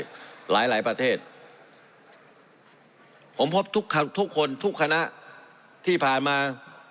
หลายหลายประเทศผมพบทุกทุกคนทุกคณะที่ผ่านมา